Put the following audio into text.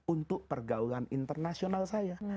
untuk pergaulan internasional saya